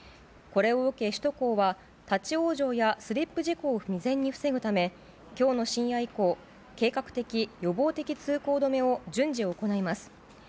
これを受け、首都高は立往生やスリップ事故を未然に防ぐため、きょうの深夜以降、計画的・予防的通行止めを順次行います。